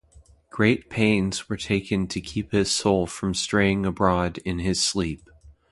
Great pains were taken to keep his soul from straying abroad in his sleep.